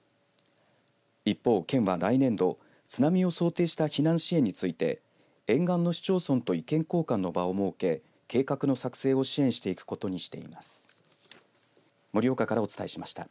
一方、県は来年度津波を想定した避難支援について沿岸の市町村と意見交換の場を設け計画の作成を支援していくことにしています。